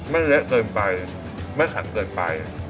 เละเกินไปไม่ขังเกินไป